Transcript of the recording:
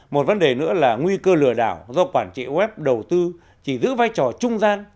một vấn đề nữa là nguy cơ lừa đảo do quản trị web đầu tư chỉ giữ vai trò trung gian